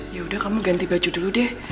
ya udah kamu ganti baju dulu deh